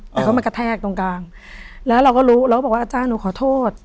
แต่ก็มากระแทกตรงกลางแล้วเราก็รู้เราก็บอกว่าอาจารย์หนูขอโทษ